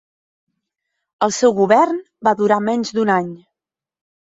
El seu govern va durar menys d'un any.